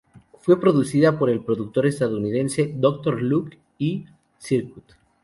Fue producida por el productor estadounidense Dr. Luke y Cirkut.